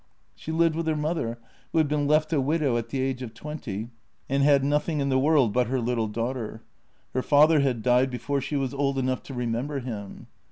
She lived with her mother, who had been left a widow at the age of twenty, and had nothing in the world but her little daughter. Her father had died before she was old enough to remember him.